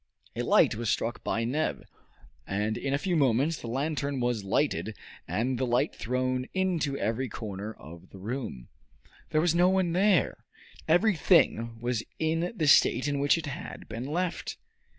A light was struck by Neb, and in a few moments the lantern was lighted and the light thrown into every corner of the room. There was no one there. Everything was in the state in which it had been left.